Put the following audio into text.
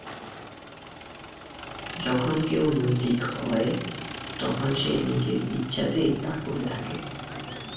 যখন কেউ নৈতিক হয়, তখন সে নিজের ইচ্ছাতেই তা করে থাকে।